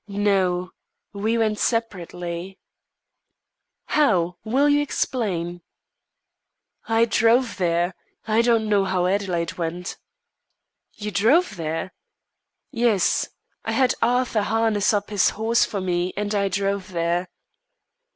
"No; we went separately" "How? Will you explain?" "I drove there. I don't know how Adelaide went." "You drove there?" "Yes. I had Arthur harness up his horse for me and I drove there."